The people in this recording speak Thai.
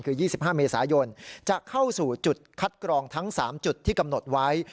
คือ๒๕เมษายนจะเข้าสู่จุดคัดกรองทั้ง๓จุดที่กำหนดไว้